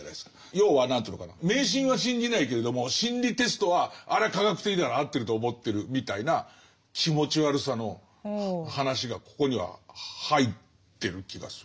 要は何ていうのかな迷信は信じないけれども心理テストはあれは科学的だから合ってると思ってるみたいな気持ち悪さの話がここには入ってる気がする。